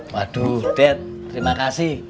waduh det terima kasih